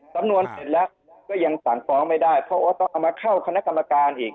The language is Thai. สำนวนเสร็จแล้วก็ยังสั่งฟ้องไม่ได้เพราะว่าต้องเอามาเข้าคณะกรรมการอีก